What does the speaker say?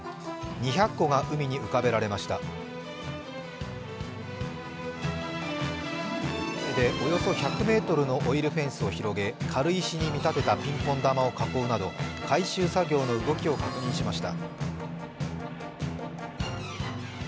２隻の船でおよそ１００ｍのオイルフェンスを広げ軽石に見立てたピンポン球を囲うなど、回収作業の動きを確認しました。